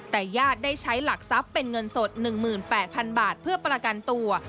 แต่ญาติได้ใช้หลักทรัพย์เป็นเงินสด๑๘๐๐๐บาทเพื่อประกันตัว